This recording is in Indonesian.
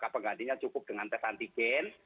penggantinya cukup dengan tes antigen